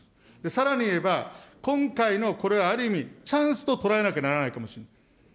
さらに言えば、今回のこれはある意味、チャンスと捉えなきゃならないかもしれない。